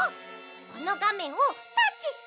このがめんをタッチして！